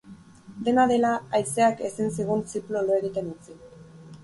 Dena dela, haizeak ezin zigun ziplo lo egiten utzi.